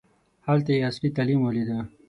هلته یې عصري تعلیم ولیده.